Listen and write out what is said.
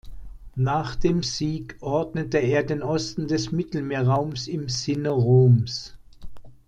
Nach dem Sieg ordnete er den Osten des Mittelmeerraums im Sinne Roms.